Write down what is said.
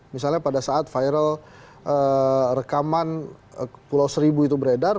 misalnya pada saat viral rekaman pulau seribu itu beredar